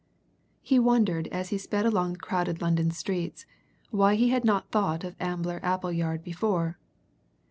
He wondered as he sped along the crowded London streets why he had not thought of Ambler Appleyard before.